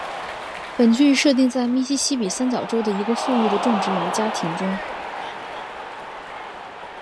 本剧设定在密西西比三角洲的一个富裕的种植园家庭中。